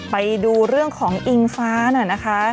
ไปดูเรื่องของอิงฟ้าหน่อยนะคะ